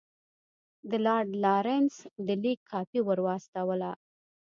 د لارډ لارنس د لیک کاپي ورواستوله.